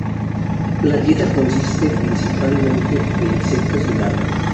La dieta consiste principalmente de insectos y larvas.